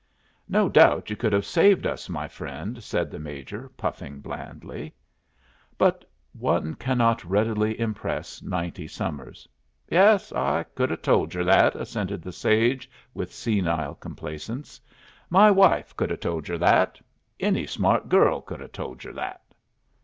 "No doubt you could have saved us, my friend," said the Major, puffing blandly. But one cannot readily impress ninety summers. "Yes, I could have told yer that," assented the sage, with senile complacence. "My wife could have told yer that. Any smart girl could have told yer that."